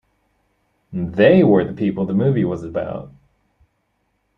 They were the people the movie was about.